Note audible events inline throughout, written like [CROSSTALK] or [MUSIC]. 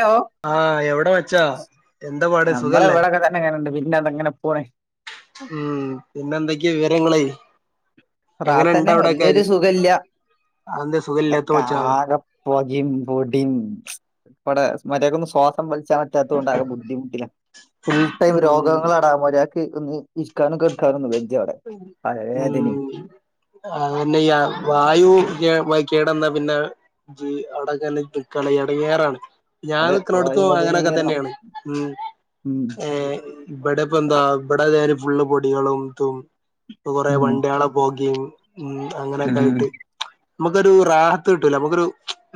Law ആഹ് എവിടെ വെച്ചാ നമ്മള് ഇവിടെക്കെ തന്നെ ഇങ്ങനെയുണ്ട് പിന്നെ അത് എങ്ങനെ [UNINTELLIGIBLE] ഉം പിന്നെന്തൊക്കെയ വിവരങ്ങള് [UNINTELLIGIBLE] വല്യൊരു സുഖയില്ല അതെന്താ സുഖല്ലാത്ത മച്ചാ [UNINTELLIGIBLE] പൊഗിം പൊടീം ഇമ്പടെ മര്യാതക്കൊന്ന് ശ്വാസം വെലിച്ചാൽ ഇല്ലാത്തോണ്ട് ആകെ ബുദ്ധിമുട്ടിലാ ഫുൾ ടൈം ഉം രോഗങ്ങളാടാ ഒരാൾക്ക് ഒന്ന് നിക്കാനും കിടക്കാനും [UNINTELLIGIBLE] തല ഉം വേദനയും അതന്നെ ഈ ആഹ് വായു [UNINTELLIGIBLE] കിടന്ന പിന്നെ [UNINTELLIGIBLE] എടങ്ങേറാണ് ഞാൻ അത് വായു നിക്ക്ണോട്ത്തും മലിനീകരണം അങ്ങനെക്കെതെന്നെയാണ് ഉം ഉം ഏഹ് ഇബടെ ഇപ്പൊന്താ ഇബടെ എല്ലാരും ഫുള്ള്പൊടികളുംതും ഇപ്പ കുറേ ഉം വണ്ടികള് പോകയും ഉം അങ്ങനെയൊക്കെ ഉം ആയിട്ട് നമ്മുക്കൊരു റാഹത്ത് കിട്ടൂല നമ്മുക്കൊരു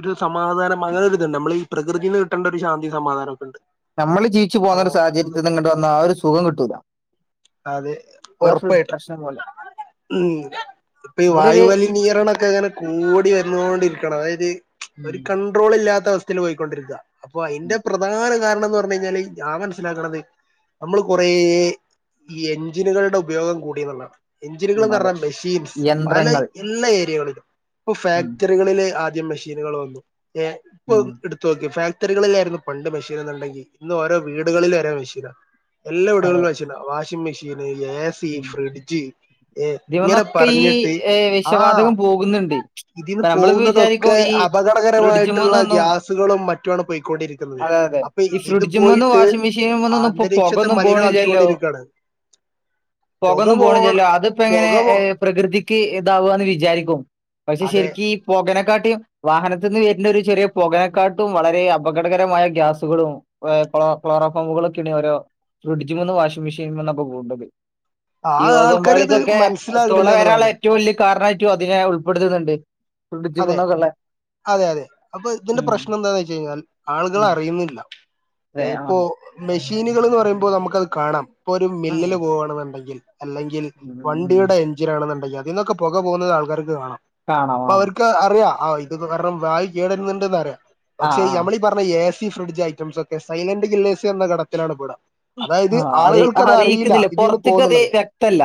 ഒരു സമാധാനം അങ്ങനെ ഒരുതുണ്ട് നമ്മൾ ഈ പ്രകൃതിന്ന് കിട്ടണ്ട ഒരു ശാന്തി സമാധാനം ഒക്കെണ്ട് നമ്മള് ജീവിച്ചു പോകുന്ന ഒരു സാഹചര്യത്തിന്ന്ങ്ങട്ട്‌വന്ന ആ ഒരു സുഖം കിട്ടൂല അതെ ഇവിടെ ഫുൾ ഉറപ്പായിട്ടും പ്രശ്നം പോലെ ഉംഇപ്പ ഇവിടെ ഒരു വായു മലിനീകരണക്കെ അങ്ങനെകൂടിവരുന്നൊണ്ടിരിക്കണ് അതായത് ഉം ഒരു കണ്ട്രോൾ ഇല്ലാത്ത അവസ്ഥയിൽ പോയിക്കൊണ്ടിരിക്ക അപ്പൊ ഉം അയ്ന്റെ പ്രധാന കാരണം എന്ന് പറന്നയ്ഞ്ഞാല് ഞാൻ മനസ്സിലാക്കണത് നമ്മള് കൊറേ ഈ എഞ്ചിനുകളുടെ ഉപയോഗം കൂടും [UNINTELLIGIBLE] ഉം എഞ്ചിനുകളെന്ന് അതെ പറഞ്ഞാ മെഷീൻസ് പല യന്ത്രങ്ങൾ എല്ലാ ഏരിയകളിലും ഇപ്പൊ ഉം ഫാക്ടറികളില് ആദ്യം മെഷീനുകള് വന്നു ഉം [UNINTELLIGIBLE] [UNINTELLIGIBLE] ഫാക്ടറികളിലായിരുന്നു പണ്ട് മെഷീനെന്ന്ണ്ടെങ്കിൽ ഇന്ന് ഓരോ വീടുകളില് വരെ മെഷീന എല്ലാ അതെ വീടുകളിലും മെഷിന washing machine A C fridge ഏ ഇങ്ങനെ [UNINTELLIGIBLE] പറഞ്ഞിട്ട് വിഷവാതകം പോകുന്നുണ്ട് ഇതീന്ന് ഇപ്പൊ നമ്മളിപ്പോ വിചാരിക്കും പോകുന്നതൊക്കെ ഈ അപകടകരമായിട്ടുള്ള ഫ്രിഡ്ജുമെന്നൊന്നും ഗ്യാസുകളും മറ്റുമാണ് പൊയ്ക്കൊണ്ടിരിക്കുന്നത് അതെ അതെ അപ്പ ഈ ഇത് ഫ്രിഡ്ജുമെന്നും പോയിട്ട് വാഷിംഗ് മെഷീനുമെന്നൊന്നും ഇപ്പൊ അന്തരീക്ഷത്തെ പുകയൊന്നും പോണില്ലല്ലോ മലിനമാക്കികൊണ്ടിരിക്കാണ് പുകയൊന്നും പോണില്ലല്ലോ അതിപ്പം എങ്ങനെ പൊക പോ ഏഹ് പ്രകൃതിക്ക് ഇതാവാന്ന് വിചാരിക്കും പക്ഷെ അതെ ശരിക്കീ പുകനെക്കാട്ടിയും വാഹനത്തിന്ന് വരുന്നൊരു ചെറിയ പുകയെക്കാട്ടും വളരെ അപകടകരമായ ഗ്യാസുകളും [UNINTELLIGIBLE] ക്ലോറോ ഫോമുകളൊക്കേണ് ഓരോ ഫ്രിഡ്ജ് [UNINTELLIGIBLE] വാഷിംഗ് മെഷീൻമെന്നൊക്കെ [UNINTELLIGIBLE] ആ ഈ ഓസോൺ ആൾക്കാര് ഇത് പാളിക്കൊക്കെ തൊള മനസ്സിലാകണില്ല വരാനുള്ള എന്നുള്ളതാണ് ഏറ്റവും വല്യ കാരണായിട്ടും അതിനെ ഉൾപ്പെടുത്തുന്നുണ്ട് അതെ ഫ്രിഡ്ജിമെന്നൊക്കെള്ള അതെയതെ അപ്പൊ ഇതിന്റെ ഉം പ്രശ്നം എന്താന്ന് വച്ച് കഴിഞ്ഞാൽ ഉം ആളുകളറിയുന്നില്ല അതെ ആഹ് മെഷീനുകള് എന്ന് പറയുമ്പോ നമ്മുക്കത് കാണാം ഇപ്പൊ ഒരു ആഹ് മില്ലില് പോകാണന്നുണ്ടെങ്കിൽ അല്ലെങ്കി ങ്കിൽ ഉം വണ്ടിയുടെ എഞ്ചിനാണെന്നുണ്ടെങ്കിൽ അതിന്നൊക്കെ പുക പോകുന്നത് ആൾക്കാർക്ക് കാണാം കാണാം ആഹ് ക്ക് അറിയാം ആഹ് ഇതിപ്പൊ കാരണം വായു [UNINTELLIGIBLE] അറിയാം പക്ഷേ ആഹ് ആഹ് നമ്മളീ പറഞ്ഞ എ സി ഫ്രിഡ്ജ് ഐറ്റംസൊക്കെ സൈലന്റ് കില്ലേഴ്‌സിൽ [UNINTELLIGIBLE] അതായത് ആഹ് അത് ആളുകൾക്കതറിയില്ല അറിയിക്കുന്നില്ല ഇതിന്ന് പൊറത്തേക്ക് അത് പോകുന്നുള്ളത് വ്യക്തല്ല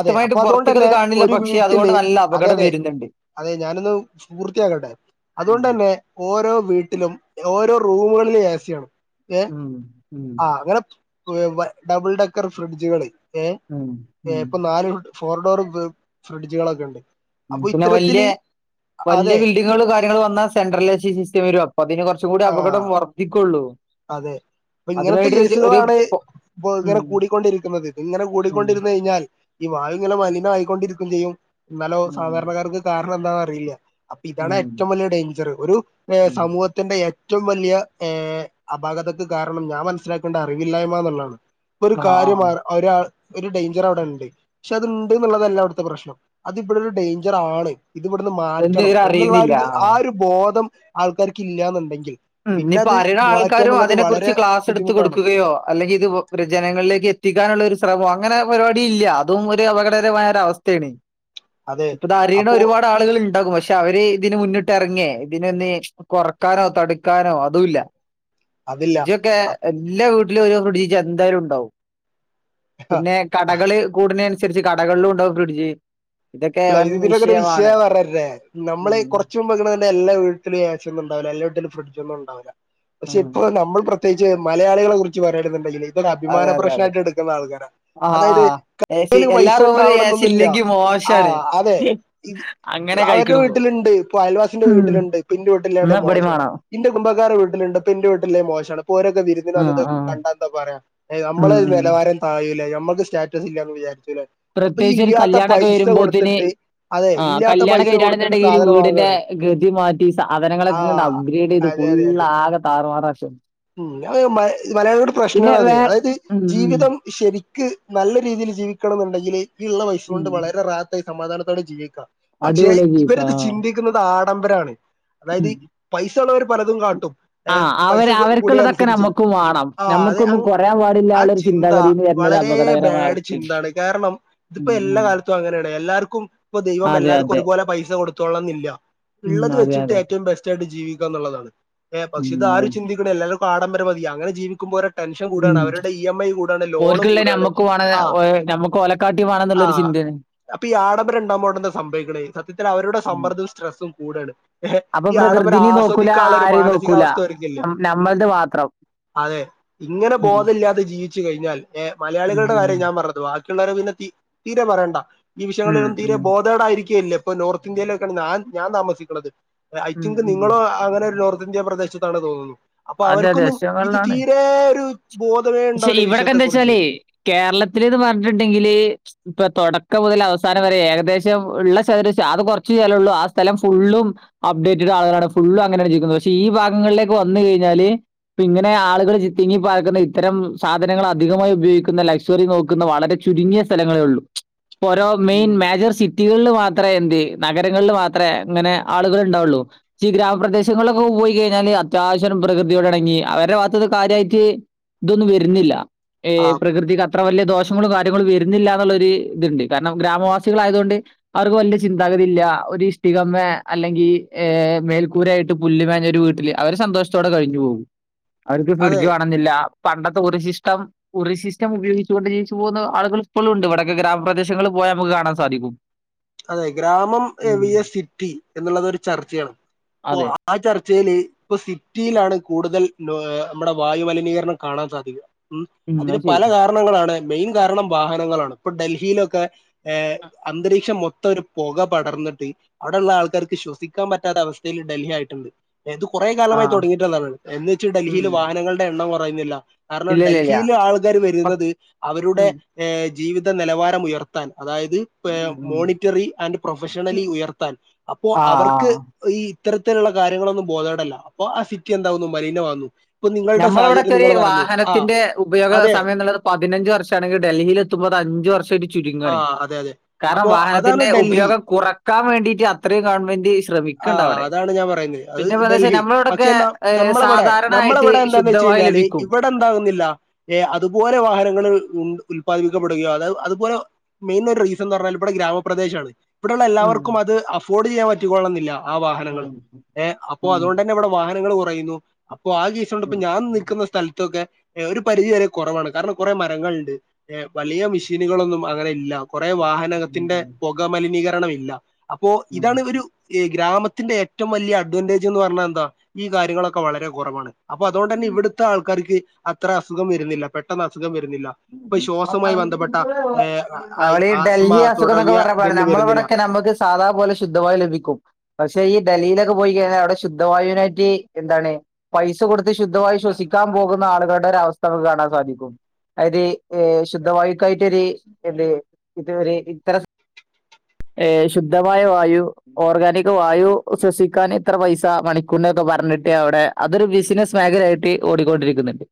അതെ അപ്പം അതുകൊണ്ട് പൊറത്തേക്ക് അത് [UNINTELLIGIBLE] കാണില്ല ഒരു പക്ഷെ അതുകൊണ്ട് വീട്ടില് നല്ല അതെ അപകടം വരുന്നുണ്ട് അതെ അതെ ഞാനൊന്ന് പൂർത്തിയാക്കട്ടെ ഉം അതുകൊണ്ട് തന്നെ ഓരോ വീട്ടിലും ഓരോ റൂമുകളിലും ഏ സി ആണ് ഏഹ് ഉം ഉം ആഹ് അങ്ങനെ ഡബിൾ ഡെക്കർ ഫ്രിഡ്ജുകള് ഏഹ് ഉം ഏഹ് ഉം ഇപ്പം നാല് ഫോർ ഡോർ ഫ്രിഡ്ജുകളൊക്കെ ഉണ്ട് അപ്പൊ പിന്നെ വല്യ ഇത്തരത്തില് വല്യ അതെ ബിൽഡിങ്ങ്കളും കാര്യങ്ങളും വന്നാ സെൻട്രലൈസി സിസ്റ്റം വരും അപ്പൊ അതിന് കൊറ ച്ചുകൂടി ആ അപകടം വർദ്ധിക്കൊള്ളൂ അതെ ഇപ്പ ഇങ്ങനത്തെ കേസുകളാണ് ഇപ്പൊ ഇങ്ങനെ ഉം കൂടിക്കൊണ്ടിരിക്കുന്നത് ഇങ്ങനെ ഉം കൂടിക്കൊണ്ടിരുന്ന് കഴിഞ്ഞാൽ ഈ വായു ഇങ്ങനെ മലിനമായിക്കൊണ്ടിരിക്കയും ചെയ്യും എന്നാലോ ഉം സാധാരണക്കാർക്ക് കാരണം എന്താന്നറിയില്ല അപ്പം ഉം ഇതാണേറ്റവും വല്ല്യ ഡേഞ്ചർ ഒരു ഉം സമൂഹത്തിന്റെ ഏറ്റവും വലിയ ഏഹ് അപാകതക്ക് കാരണം ഞാൻ മനസ്സിലാക്കണ്ട അറിവില്ലായ്മ എന്നുള്ളതാണ് ഒരു ആഹ് കാര്യം ആഹ് ആ ഒരാൾ ഒരു ഡേഞ്ചറവടെണ്ട് പക്ഷേ അത്ണ്ട്ന്ന് ഉള്ളതല്ല അവ്ട്ത്തെ പ്രശ്നം അത് ഇപ്പോയും ഒരു ഡേഞ്ചറാണ് ഇത് ഇവിടുന്ന് എന്ന് മാറ്റണം എന്നുള്ളാ ആ ഇവരറിയുന്നില്ല ഒരു ആ ആഹ് ഒരു ബോധം ആൾക്കാർക്കില്ലാന്നുണ്ടെങ്കിൽ ഉം ഇനി ഇപ്പൊ അറിയ്ണാൾക്കാരും അതിനെ കുറിച്ച് ക്ലാസെടുത്ത് ബുദ്ധിമുട്ടാണ് കൊടുക്കുകയോ അല്ലെങ്കിത് ജനങ്ങളിലേക്കെത്തിക്കാനുള്ളൊരു ശ്രമോ അങ്ങനൊരു പരിപാടില്ല അതും ഒരു അപകടകരമായൊരവസ്ഥേണ് അതെ അപ്പൊ ഇപ്പതറീണൊരുപാടാ ആളുകള്ണ്ടകും പക്ഷേ അവര് ഇതിന് മുന്നിട്ടെറങ്ങേ ഇതിനൊന്ന് കൊറക്കാനോ തടുക്കാനോ അതുംല്ല അതില്ല ഫ്രർഡ്ജൊക്കെ അപ്പ എല്ലാ വീട്ടിലും ഒരു ഫ്രിഡ്ജീച്ചെന്തായ്ലുണ്ടാവും പിന്നെ കടകള് കൂട്നേന് അനുസരിച്ച് കടകളിലുണ്ടാവും ഫ്രിഡ്ജ് ഇതൊക്കെ അല്ല വൻ ഇതിന്റൊക്കൊരു വിഷയം വിഷയമാണ് ഞാൻ പറഞ്ഞു തരട്ടെ നമ്മള് ഉം കൊർച്ചുമ്പ്ങ്ങനെ എല്ല വീട്ടിലും എ സി ഒന്നുണ്ടാവുല്ല എല്ലാ വീട്ടിലും ഫ്രിഡ്ജൊന്നുണ്ടാവുല്ല പക്ഷെ ഉം ഇപ്പൊ നമ്മള് പ്രത്യേച്ച് മലയാളി കളെ കുറിച്ച് പറയാണ്ന്ന്ണ്ടെങ്കി അതെ ഇതൊരഭിമാന അതെ അതെ പ്രശ്നായ്ട്ട്ട്ക്ക്ന്നാൾക്കാരാ ആഹ് അതായത് ആഹ് എ സി കയ്യ്ല് എല്ലാ പൈസ റൂമിലും എ സി ണ്ടാവണന്നൊന്നുല്ല ഇല്ലെങ്കി മോശാണ് ആഹ് അതെ അങ്ങനെ അവര്ടെ കഴിക്ക്ണ് പോ വീട്ടില്ണ്ട് ഇപ്പ അയൽവാസിന്റെ ഉം വീട്ടില്ണ്ട് ഇപ്പന്റെ വീട്ടില്ലേ ഇന്നാ ഇബടിം മോശാണ് വാണം ഇന്റെ കുടുംബക്കാരെ വീട്ടിലുണ്ട് ഇപ്പന്റെ വീട്ടില്ലെ മോശാണ് ഇപ്പൊ ഒരൊക ഇങ്ങട്ട് വിരുന്നതിനു വന്ന് ആഹ് ഇതൊക്കെ ആഹ് കണ്ടാ എന്താ പറയാ ഉം നമ്മളൊരു ഉം നെലവാരം തായൂലേ നമ്മൾക്ക് സ്റ്റാറ്റസില്ലാന്ന് വിചാരിക്കൂലേ പ്രത്യേകിച്ചൊരു കല്യാണക്കെ വെരു വരൂമ്പോത്തിന് അതെ ആ ഇല്ലാത്ത കല്യാണം പൈസ ഒക്കെ കൊടുത്തിട്ട് വരുന്നുണ്ടെങ്കിൽ സാധനം വീടിന്റെ വാങ്ങാണ് ഗതി മാറ്റും ഈ സാധനങ്ങളൊക്കെണ്ട് ആഹ് അപ്ഗ്രേഡ് ചെയ്ത് അതെ ഫുൾ അതെ അതെ ആകെ താറുമാറാക്കും ഉം അത് മലയാളിയുടെ പിന്നെ പ്രശ്നാണത് വേറെ അതായത് ഉം ഉം ജീവിതം ശരിക്ക് നല്ല രീതിയിൽ ജീവിക്കണം എന്നുണ്ടെങ്കില് ഈ ഇള്ള ഉം പയ്‌സ്സകൊണ്ട് വളരെ റാഹത് റാഹത്തായി സമാധാനത്തോടെ ജീവിക്കാം പക്ഷെ അടിപൊളിയായി ജീവിക്കാ ഇവരത് ആഹ് ചിന്തിക്ക ക്കുന്നത് ആഡംബരാണ് അതായത് ഉം പൈസ ഉള്ളവര് പലതും കാട്ടും ഏഹ് ആഹ് പൈസ അവര് അവർക്കുള്ളതൊക്കെ കൂടിയതനുസരിച്ച് നമ്മക്കും വാണം ആ അത് നമ്മക്കൊന്നും കൊറയാൻ ആ പാടില്ലാന്ന്ള്ള ഒരു ചിന്ത ചിന്താഗതീന്ന് വര്ണ ഒരു വളരെ അപകടകരമായ ബാഡ് അവസ്ഥേണ് ചിന്താണ് കാരണം ഉം ഇതിപ്പോ എല്ലാ ഉം കാലത്തും അങ്ങനെണ് എല്ലാവർക്കും ഇപ്പൊ ദൈവം അതെ എല്ലാർക്കും അതെ ഒരുപോലെ പൈസ കൊടു കൊടുത്തോളന്നില്ല ഉം ഇള്ളത് അതെ വെച്ചിട്ട് അതെ ഏറ്റവും ബെസ്റ്റായിട്ട് ജീവിക്കാന്നുള്ളതാണ് ഏഹ് പക്ഷെ ഉം ഇത് ആരു അതെ ചിന്തിക്കും ഇവ്ടെ എല്ലാർക്കും ആഡംബരം മതി അങ്ങനെ ജീവിക്കുമ്പോ ഓരോ ടെഷൻ കൂടാണ് ഉം അവരടെ ഈ ഇ എം ഐ കൂടാണ് ലോണ് ഓര്ക്ക്ള്ള കൂടാണ് നമ്മക്ക് വാണ ആ ഓഹ് നമ്മക്ക് ഓലക്കാട്ടി ആ വാണംന്നുള്ളൊരു ചിന്തേണ് അപ്പൊ ഈ ആഡംബരംണ്ടാവുമ്പോ അവിടെന്താ സംഭവിക്കണെ സത്യത്തിൽ അവരുടെ ഉം സമ്മർദ്ദും സ്ട്രെസ്സും കൂടെണ് ഏഹ് അപ്പൊ ഈ ആഡംബരം പ്രകൃതിനിം നോക്കൂല ആസ്വദിക്കാനുള്ള ഒരു ആരിം നോക്കൂല മാനസികാവസ്ഥ ഒര്ക്കില്ല നം നമ്മൾത് മാത്രം അതെ ഇങ്ങനെ ഉം ബോധമല്ലാതെ ജീവിച്ചു കഴിഞ്ഞാൽ ഏഹ് ഉം മലയാളികളുടെ കാര്യം ഞാൻ പറയണത് ബാക്കിയുള്ളവരെ പിന്നെ തീ തീരെ പറയേണ്ട ഈ ഉം വിഷയങ്ങളിലൊന്നും തീരെ ഉം ബോധേടായിരിക്കില്ലാ ഇപ്പോ നോർത്ത് ഇന്ത്യയിലൊക്കാണ് ഞാൻ ഞാൻ താമസിക്കുന്നത് ഉം ഐറ്റിങ്ങൾക്ക് ഉം ഉം. നിങ്ങളോ അങ്ങനെ ഒരു നോർത്ത് ഇന്ത്യ പ്രദേശത്ത് ത്താണ് തോന്നുന്നു അപ്പൊ അതെ അതെ അവർക്കൊന്നും ഇത് വിഷയങ്ങളിലാണ് തീരെ ഒരു ബോധമേ പക്ഷെ ഉണ്ടാവുല ഈ ഇവിടൊക്കെ എന്താ വിഷയത്തെക്കുറിച്ച് വെച്ചാലേ കേരളത്തില്ന്ന് പറഞ്ഞിട്ടുണ്ടെങ്കില് ഇപ്പൊ തൊടക്കം മുതൽ അവസാനം വരെ ഏകദേശം ഉള്ള ചതുര ആകെ കൊറച്ച് സ്ഥലള്ളൂ ആ സ്ഥലം ഫുള്ളും അപ്ഡേറ്റഡ് ആളുകളാണ് ഫുള്ള് അങ്ങനെണ് ജീവിക്കുന്നത് പക്ഷെ ഈ ഭാഗങ്ങളിലേക്ക് വന്ന് കയിഞ്ഞാല് ഇപ്പ ഇങ്ങനെ ആളുകൾ തിങ്ങി പാർക്കുന്നെ ഇത്തരം സാധനങ്ങൾ അധികമായി ഉപയോഗിക്കുന്ന ലക്ഷ്വറി നോക്കുന്ന വളരെ ചുരുങ്ങിയ സ്ഥലങ്ങളേ ഉള്ളു ഇപ്പൊരോ മെയിൻ ഉം മേജർ സീൻ സിറ്റികളിൽ മാത്രമേ എന്ത് നഗരങ്ങളില് മാത്രമേ അങ്ങനെ ആളുകൾ ഉണ്ടാവുള്ളു ഈ ഗ്രാമപ്രദേശങ്ങളിലൊക്കെ പോയി കഴിഞ്ഞാല് അത്യാവശ്യം പ്രകൃതിയോടിണങ്ങി അവരുടെ ഭാഗത്തുന്ന് കാര്യായിട്ട് ഇതൊന്നും വരുന്നില്ല ഏ ആ പ്രകൃതി ക അത്ര വലിയ ദോഷങ്ങളും കാര്യങ്ങളും വരുന്നില്ല എന്നുള്ളൊരു ഇതുണ്ട് കാരണം ഗ്രാമവാസികളായതുകൊണ്ട് അവർക്ക് വല്യ ചിന്താഗതി ഇല്ല ഒരു ഇഷ്ടികമ്മെ അല്ലെങ്കി ഏഹ് മേൽക്കൂരായിട്ട് പുല്ല് മേഞ്ഞൊരു വീട്ടില് അവര് സന്തോഷത്തോടെ കഴിഞ്ഞു പോകും അവർക്ക് അതെ ഫ്രിഡ്ജ് വാണംന്ന്ല്ല പണ്ടത്തെ ഉറി ശിഷ്ടം ഉറി സിസ്റ്റം ഉപയോഗിച്ചുകൊണ്ട് ജീവിച്ചു പോകുന്ന ആള്കള് ഇപ്പളുണ്ട് ഇവടൊക്കെ ഗ്രാമപദേശങ്ങളിൽ പോയാ അമ്മക്ക് കാണാൻ സാധിക്കും അതെ ഗ്രാമം വിയെസ് സിറ്റി എന്ന്ള്ളത് ഒര് ചർച്ചാണ് അപ്പൊ അതെ ആ ചർച്ചേല് ഇപ്പൊ സിറ്റിയിലാണ് കൂടുതൽ ഏഹ് അമ്മടെ വായുമലിനീകരണം കാണാൻ സാധിക്കുക ഉം അതിന് അത് ശരി പല കാരണങ്ങളാണ് മെയിൻ കാരണം വാഹനങ്ങളാണ് ഇപ്പൊ ഡൽഹിയിലൊക്കെ ഏഹ് അന്തരീക്ഷം മൊ ത്തൊരു പൊക പടർന്ന്ട്ട് അവ്ടെള്ള ആൾക്കാർക്ക് ശ്വസിക്കാൻ പറ്റാത്ത അവസ്ഥയിൽ ഡൽഹി ആയിട്ട്ണ്ട് ഇത് കൊറേ ആ കാലമായി തൊടങ്ങിട്ട്ള്ളതാണ് എന്ന് വെച്ച് ഉം ഡൽഹിയിൽ വാഹനങ്ങളുടെ എണ്ണം കൊറയുന്നില്ല കാരണം ഇല്ല ഇല്ല ഇല്ല ഡൽഹിയില് ആൾക്കാര് പ- വെരുന്നത് അവരുടെ ഉം. ഏഹ് ജീവിത നെലവാരം ഉയർത്താൻ അതായത് പ്പെ ഏഹ് ഉം. മോണി റ്ററി ആന്റ് പ്രൊഫഷണലി ഉം. ഉയർത്താൻ അപ്പൊ ആ അവർക്ക് ആ ഈ ഇത്തരത്തിലുള്ള കാര്യങ്ങളൊന്നും ബോധേടല്ല അപ്പൊ ആ സിറ്റി എന്താവുന്നു മലീനമാക്ന്നു ഞമ്മളെ ഇവ്ടെക്കൊര് വാഹനത്തിന്റെ ഉപയോഗ അതെ സമയംന്ന്ള്ളത് പതിനഞ്ച് വർഷാണെങ്കിൽ ഡൽഹില് എ ത്തുമ്പൊ അത് അഞ്ച് വർഷായിട്ട് ആ ചുരുങ്ങാണ് അതെ അതെ അപ്പോ അത് തിന്റെ ഉപയോഗം കുറക്കാം വേണ്ടിട്ട് അത്രയും ഗവൺമെന്റ് ശ്രമിക്ക്ണ്ടവ്ടെ എന്ന് ഞാൻ പറയുന്നില്ല പിന്നെ പറയെച്ചാൽ നമ്മളെവ്ടൊക്കെ സാധാരണ ആയിട്ട് ശുദ്ധവായു ലഭിക്കും ത് എന്താകുന്നില്ല ഏഹ് അതുപോലെ വാഹനങ്ങള് ഉണ്ട് ഉല്പാദിപ്പിക്കപ്പെടുകയോ അതായത് അതുപോലെ മെയ്ൻ ഒരു റീസൺന്ന് പർഞ്ഞാല് ഇബടെ ഗ്രാമപ്രദേശാണ് ഇബ്ടെള്ള ഉം എല്ലാവർക്കും അത് അഫോർഡ് ചെയ്യാൻ പറ്റിക്കോളണംന്നില്ല ആ വാഹനങ്ങളും ഉം ഏഹ് അപ്പോ ഉം അതോണ്ടെന്നെ ഇവടെ വാഹനങ്ങള് കുറയുന്നു അപ്പോ ആ കി സോണ്ട് ഇപ്പോ ഉം ഞാൻ നിക്ക്ന്ന സ്ഥൽത്തൊക്കെ എഹ് ഒരു പരിധി വരെ കൊറവാണ് കാരണം കുറേ മരങ്ങൾണ്ട്. ഏഹ് വലിയ മിഷീന്കളൊന്നും അങ്ങനെ ഇല്ല കൊറെ വാഹന നകത്തിന്റെ ഉം പൊകമലിനീകരണം ഇല്ല അപ്പോ ഉം ഇതാണ് ഉം ഒരു ഈ ഗ്രാമത്തിന്റെ ഏറ്റവും വല്ല്യെ അഡ്വാൻന്റേജ്ന്ന് പർഞ്ഞാ എന്താ ഈ കാര്യങ്ങളൊക്കെ വളരെ കൊറവാണ്. അപ്പൊ അതോണ്ടന്നെ ഉം ഇവ്ടുത്തെ ആൾക്കാർക്ക് അത്ര അസുഖം വരുന്നില്ല പെട്ടെന്ന് അസുഖം വെരുന്നില്ല. ഉം ഉം ഈ പർഞ്ഞാതിരി [UNINTELLIGIBLE] നമ്മളെ ഈ ആസ്മ ഡൽഹി അസുഖം ന്നൊക്കെ തുടങ്ങിയ പർഞ്ഞപ്പളാണ് ഇതൊന്നും ഞമ്മളെ വരുന്നില്ല ഇവടൊക്കെ ഞമ്മക്ക് സാധാ പോലെ ശുദ്ധവായു ലഭിക്കും. പക്ഷെ ഈ ഡൽഹിയിലൊക്കെ പോയിക്കഴിഞ്ഞാ അവ്ടെ ശുദ്ധവായുവിനായിറ്റ് എന്താണ് പൈസ കൊടുത്ത് ശുദ്ധവായു ശ്വസിക്കാൻ പോകുന്ന ആളുകളുടെ ഒരു അവസ്ഥ അമ്മക്ക് കാണാൻ സാധിക്കും. അതായത് എഹ് ശുദ്ധവായുക്കായിറ്റ് ഒരു എന്ത് ഇത് ഒരു ഇത്തര ഏഹ് ശുദ്ധമായ വായു. ഓർഗാനിക് വായു ശ്വസിക്കാൻ ഇത്ര പൈസ മണിക്കൂർന് ഒക്കെ പർഞ്ഞ്ട്ട് അവ്ടെ. അതൊരു ബിസിനസ് മേഖലയായിട്ട് ഓടിക്കൊണ്ടിരിക്ക്ന്ന്ണ്ട്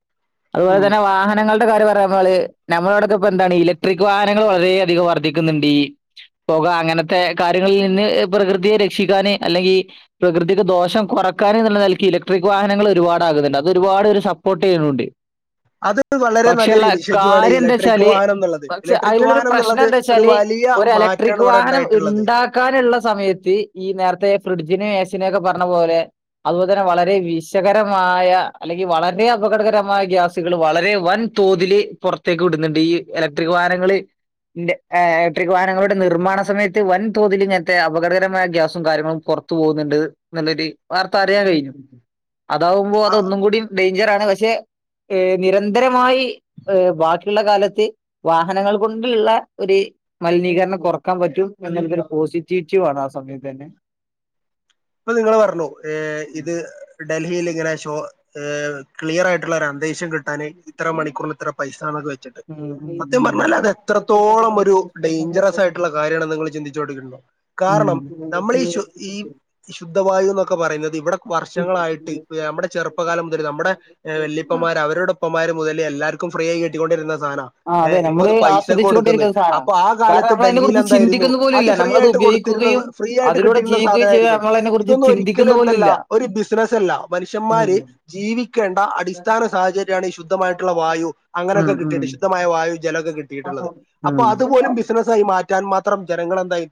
അതുപോലെ ഉം തന്നെ വാഹനങ്ങൾ ടെ കാര്യം പറയാ പർഞ്ഞാല് നമ്മളെവ്ടെക്കെ ഇപ്പ എന്താണ് ഇലക്ട്രിക് വാഹനങ്ങള് വളരെയധികം വർധിക്ക്ന്ന്ണ്ട് ഈ. പൊക അങ്ങനത്തെ കാര്യങ്ങളിൽ നിന്ന് പ്രകൃതിയെ രക്ഷിക്കാന് അല്ലെങ്കി പ്രകൃതിക്ക് ദോഷം കൊറക്കാന് ന്ന്ള്ള നെൽക്ക് ഇലക്ട്രിക് വാഹനങ്ങള് ഒരുപാടാക്ന്ന്ണ്ട് അത് ഒരുപാട് പേര് സപ്പോർട്ട് ചെയ്യ്ണുണ്ട്. അത് ഒര് വളരെ നല്ലൊരു ഇനിഷ്യേറ്റീവ് ആണ് കാര്യം എന്താ ഇലക്ട്രിക് വെച്ചാല് വാഹനംന്ന്ള്ളത് പക്ഷെ ഇലക്ട്രിക് വാഹനംന്ന്ള്ളത്. ഒരു വലിയ മാ ക്ട്രിക് വാഹനം ഇണ്ടാ ഇണ്ടാക്കാന്ള്ള സമയത്ത് ഈ നേരത്തെ ഫ്രിഡ്ജിനെ എസിനെ ഒക്കെ പർഞ്ഞ പോലെ അതുപോൽതന്നെ വളരെ വിശകരമായ അല്ലെങ്കി വളരെ അപകടകരമായ ഗ്യാസ്കള് വളരെ വൻ തോതില് പൊറത്തേക്ക് വിട്ന്ന്ണ്ട് ഈ ഇലക്ട്രിക് വാഹനങ്ങള് ന്റെ ഏഹ് ഇലക്ട്രിക് വാഹനങ്ങള്ടെ നിർമ്മാണ സമയത്ത് വൻതോതിൽ ഇങ്ങനത്തെ അപകടകരമായ ഗ്യാസും കാര്യങ്ങളും പൊറത്തു പോക്ന്ന്ണ്ട്. നല്ലൊരു വാർത്ത അറിയാൻ കഴിഞ്ഞു അതാവുമ്പോ അതൊന്നും കൂടി ഡേഞ്ചർ ആണ് പക്ഷെ ഏഹ് നിരന്തരമായി. ബാക്കിയുള്ള കാലത്ത് വാഹനങ്ങൾ കൊണ്ടുള്ള ഒരു മലിനീകരണം കൊറക്കാൻ പറ്റും എന്ന പോസിറ്റീവിറ്റീ ആണ് ആ സമയത്ത് തന്നെ. ഇപ്പൊ നിങ്ങള് പറഞ്ഞു ഏഹ് ഉം ഇത് ഡൽഹിൽ ഇങ്ങനെ ഷോ ക്ലിയർ ആയിട്ടുള്ള ഒരു അന്തരീഷം കിട്ടാന് ഇത്ര മണിക്കൂറിൽ ഇത്ര പൈസണക്കെ വെച്ചിട്ട് ഉം സത്യം ഉം. പറഞ്ഞാൽ അത് എത്രത്തോളം ഒരു ഡെയ്ഞ്ചറസ് ആയിട്ടുള്ള കാര്യമാണ് നിങ്ങള് ചിന്തിച്ചുകൊണ്ടിട്ടുണ്ടോ ഉം. കാരണം നമ്മള് ഈ. ശുദ്ധവായു എന്നൊക്കെ പറയുന്നത് ഇവിടെ വർഷങ്ങളായിട്ട് നമ്മുടെ ചെറുപ്പ പ്പ കാലം മുതൽ നമ്മുടെ വല്ല്യപ്പമാര് അവരുടെപ്പമാര് മുതല് എല്ലാർക്കും ഫ്രീ ആയി കിട്ടിക്കൊണ്ടിരുന്ന സാനം ആഹ് അതെ ഏഹ് ഇപ്പൊ നമ്മള് അത് പൈസ കൊടുക്കുന്ന് ആസ്വദിച്ചുകൊണ്ടിരിക്കുന്ന സാധനാ. അപ്പൊ ആ കാരണം കാലത്ത് നമ്മൾ അതിനെ ഡൽഹിൽ കുറിച്ച് എന്തായിരുന്നു ചിന്തിക്കുന്ന പോലും അത് ഇല്ല. ഫ്രീ നമ്മളത് ആയിട്ട് കൊടുത്തിരുന്നത് ഉപയോഗിക്കുകയും ഫ്രീ ആയിട്ട് അതിലൂടെ കിട്ടിയിരുന്ന ജീവിക്കുകയും ചെയ്യുക സാധനമായിരുന്നു. നമ്മളതിനെ കുറിച്ച് ഇതൊന്നും ഒരിക്കലും ചിന്തിക്കുന്ന പോലും എന്തല്ല ഇല്ല. ഒരു ബിസിനസ് അല്ല മനുഷ്യന്മാര് ഉം. ജീവിക്കേണ്ട അടിസ്ഥാന സാഹചര്യം ഈ ശുദ്ധമായിട്ടുള്ള ഉം അങ്ങനൊക്കെ ഉം കിട്ടിയിട്ട് ശുദ്ധമായ വായു ജലൊക്കെ കിട്ടിട്ടുള്ളത് അപ്പൊ ഉം അതുപോലും ബിസിനസ് ആയി മാറ്റാൻ മാത്രം ജനങ്ങൾ എന്തായി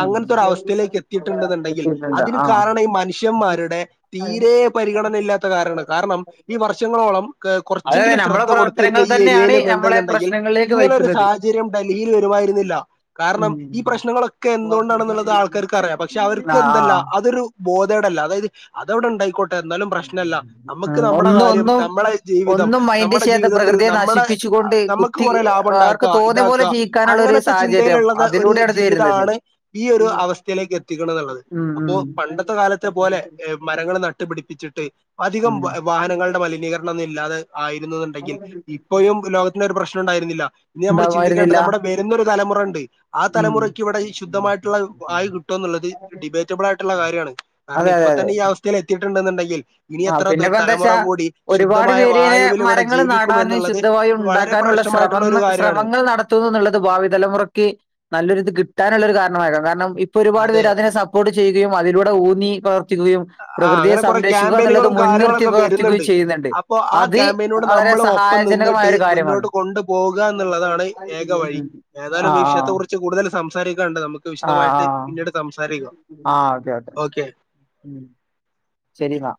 ഉം അങ്ങനത്തെ ഒരു അവസ്ഥയിലേക്ക് എത്തിയിട്ടുണ്ടെന്നുണ്ടെങ്കിൽ. കിട്ടിയിട്ടുണ്ട് അതിന് ആഹ് കാരണം ഈ മനുഷ്യന്മാരുടെ തീരെ പരിഗണന ഇല്ലാത്ത കാരമാണ് കാരണം ഈ വർഷങ്ങളോളം അതെ അതെ കുറച്ചെങ്കിലും നമ്മളെ ശ്രദ്ധ കൊടുത്തിരുന്ന പ്രവർത്തനങ്ങൾ ഈ ഏരിയയിൽ തന്നെയാണ് നമ്മളെ നിന്നുണ്ടെന്നുണ്ടെങ്കിൽ പ്രശ്നങ്ങളിലേക്ക് ഇങ്ങനെ ഒരു നയിക്കുന്നത് സാഹ ചര്യം ഡൽഹിയിൽ വരുമായിരുന്നില്ല കാരണം ഉം ഈ പ്രശ്നങ്ങളൊ ക്കെ എന്തുകൊണ്ടാണെന്നുള്ളത് ആൾക്കാർക്ക് അറിയാ പക്ഷെ അവർക്ക് എന്തല്ലാ ആഹ് അതൊരു ബോധേട് അല്ല അതായത് അതവിടെ ഇണ്ടായിക്കോട എന്നാലും പ്രശ്നല്ല നമുക്ക് ഉം നമ്മടെ ഒന്നും കാര്യം ഒന്നും നമ്മളെ ജീവിതം ഒന്നും മൈൻഡ് നമ്മടെ ചെയ്യാതെ ജീവിതത്തിൽ പ്രകൃതിയെ നമ്മടെ നശിപ്പിച്ചുകൊണ്ട് നമുക്ക് കുത്തി കുറെ ലാഭം അവർക്ക് ഇണ്ടാക്കു തോന്നിയ ഇതാക്ക പോലെ ജീവിക്കാനുള്ള ഒരു അങ്ങനത്തെ സാഹചര്യം ചിന്തയിലുള്ളത് ഒരു അതിലൂടെയാണ് ഇത് വരുന്നത് ജീവിതാണ് ഈ ഒരു അവസ്ഥയിലേക്ക് എത്തിക്കെണ്ടത് ആണ് ഉം അപ്പോ പണ്ടത്തെ കാലത്തെ പോലെ മരങ്ങള് നട്ട് പിടിപ്പിച്ചിട്ട് ഉം അധികം ഉം വാഹനങ്ങളുടെ മലിനീകരണം ഒന്നും ഇല്ലാതെ ആയിരുന്നു എന്നുണ്ടെങ്കിൽ ഇപ്പോഴും ലോകത്തിന് ഒരു പ്രശ്നം ഉണ്ടായിരുന്നില്ല ഇനി നമ്മൾ ചിന്തിക്കേണ്ടത് ഉണ്ടാവുമായിരുന്നില്ല നമ്മടെ വരുന്ന ഒരു തലമുറണ്ട്. ആ ഉം തലമുറയ്ക്ക് ഇവിടെ ഈ ശുദ്ധമായിട്ടുള്ള വായു കിട്ടുമോ എന്നുള്ളത് ഡിബേറ്റ് യിട്ടുള്ള കാര്യണ് കാരണം ഇപ്പ തന്നെ ഈ അവസ്ഥയിൽ എത്തിയിട്ടുണ്ടെന്നുണ്ടെങ്കിൽ ഇനി ആഹ് എത്ര പിന്നെ ഇപ്പോ എന്താ തലമുറ വച്ചാ കൂടി ഒരുപാട് ശുദ്ധമായ പേര് ഇങ്ങനെ വായുവിൽ ഇവിടെ മരങ്ങൾ ജീവിക്കും നടാനും എന്നുള്ളത് ശുദ്ധവായു വളരെ ഉണ്ടാക്കാനുഴ്വ ശ്ര പ്രശ്നമായിട്ടുള്ള ഒരു കാര്യമാണ് ശ്രമങ്ങൾ നട ത് ഭാവിതലമുറയ്ക്ക് നല്ലൊരു ഇത് കിട്ടാനുള്ളരു കാരണമായക്കാം കാരണം ഇപ്പൊ ഒരുപാട് അതെ പേര് അതിനെ സ ക്കുടി ചെയ്യുകയും അതിലൂടെ ഊന്നി പ്രവർത്തിക്കുകയും ആ പ്രകൃതിയെ അങ്ങനെ കുറെ സംപ്ര നുള്ളത് ക്യാമ്പയിനുകളും മുൻനിർത്തി കാര്യങ്ങളൊക്കെ പ്രവർത്തിക്കുകയും വരുന്നുണ്ട് ചെയ്യുന്നുണ്ട് അപ്പൊ ആ അത് ക്യാമ്പയിനോട് വളരെ നമ്മൾ ഒപ്പം സഹായജനകമായ നിന്നിട്ട് ഒരു കാര്യണ് മുന്നോട്ട് കൊണ്ടുപോവുക എന്നുള്ളതാണ് ഏക വഴി ഏതായാലും ആഹ് ഈ ആഹ് വിഷയത്തെ കുറിച്ച് കൂടുതൽ സംസാരിക്കാണ്ട് നമുക്ക് ആഹ് വിശദമായിട്ട് ആഹ് പിന്നീട് സംസാരിക്കാം ആഹ് ഓക്കെ ഓക്കെ ഉം ശെരിന്ന